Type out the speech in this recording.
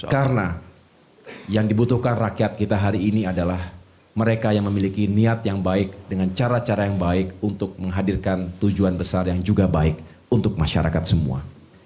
karena yang dibutuhkan rakyat kita hari ini adalah mereka yang memiliki niat yang baik dengan cara cara yang baik untuk menghadirkan tujuan besar yang juga baik untuk masyarakat semua